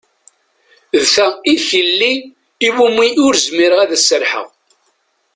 D ta i d tilelli iwumi ur zmireɣ ad as-serḥeɣ.